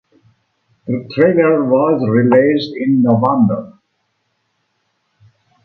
The trailer was released in November.